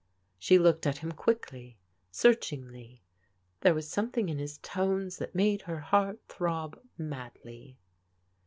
She looked at him quickly, searchingly. There was something in his tones that made her heart throb madly.